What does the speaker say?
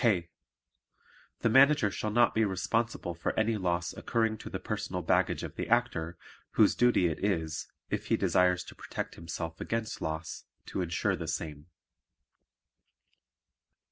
K. The Manager shall not be responsible for any loss occurring to the personal baggage of the Actor, whose duty it is, if he desires to protect himself against loss, to insure the same.